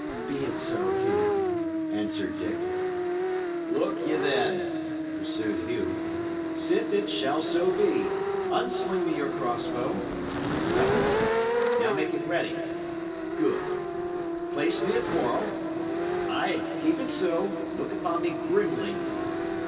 "Be it so, Hugh," answered Dick. "Look ye, then," pursued Hugh. "Sith it shall so be, unsling me your cross bow so: now make it ready good; place me a quarrel. Ay, keep it so, and look upon me grimly."